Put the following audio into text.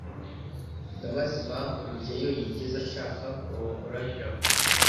ndabaza impamvu rugeyo yigeze ashaka kurongora jabo